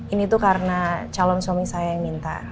ini tuh karena calon suami saya yang minta